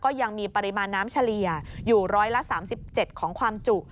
ก็ยังมีปริมาณน้ำเฉลี่ยอยู่๑๓๗ของความจุ